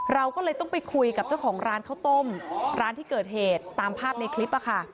เราก็เลยต้องไปคุยกับเจ้าของร้านเทิดเหต์ตามภาพในคลิป